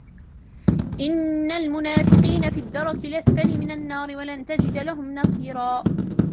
إن المنافقين في الدرك الأسفل من النار ولن تجد لهم نصيرا